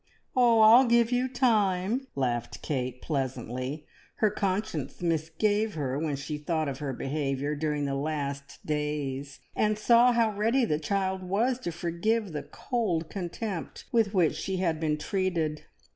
"Oh, I'll give you time!" laughed Kate pleasantly. Her conscience misgave her when she thought of her behaviour during the last days, and saw how ready the child was to forgive the cold contempt, with which she had been treated.